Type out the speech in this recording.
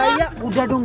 jaya udah dong